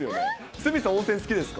鷲見さん、温泉好きですか。